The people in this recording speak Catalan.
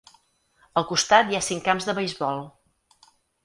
Al costat hi ha cinc camps de beisbol.